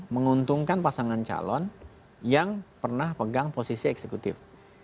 menguntungkan pasangan calon yang pernah pegang posisi eksekutif